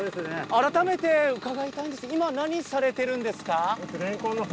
改めてうかがいたいんですが今何されているんですか？